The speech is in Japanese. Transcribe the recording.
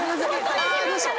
あどうしよう。